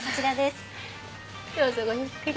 どうぞごゆっくり。